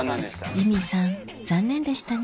ジミーさん残念でしたね